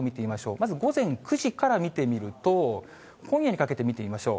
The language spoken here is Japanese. まず午前９時から見てみると、今夜にかけて見てみましょう。